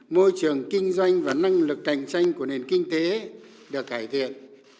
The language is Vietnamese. môi trường kinh doanh và năng lực cạnh tranh của nền kinh tế được cải thiện